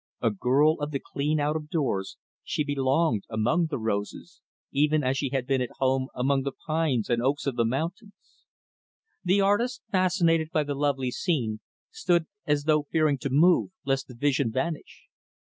A girl of the clean out of doors, she belonged among the roses, even as she had been at home among the pines and oaks of the mountains. The artist, fascinated by the lovely scene, stood as though fearing to move, lest the vision vanish.